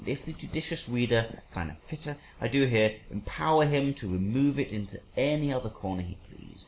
If the judicious reader can assign a fitter, I do here empower him to remove it into any other corner he please.